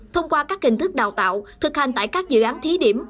thông qua các hình thức đào tạo thực hành tại các dự án thí điểm